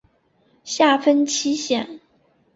下分七县。